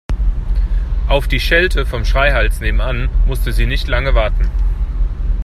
Auf die Schelte vom Schreihals nebenan musste sie nicht lange warten.